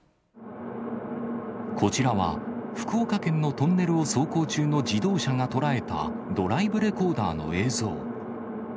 こちらは、福岡県のトンネルを走行中の自動車が捉えた、ドライブレコーダーの映像。